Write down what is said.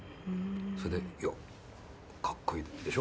それで「かっこいいでしょ？